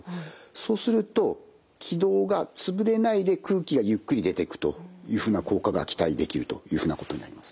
そうすると気道がつぶれないで空気がゆっくり出ていくというふうな効果が期待できるというふうなことになります。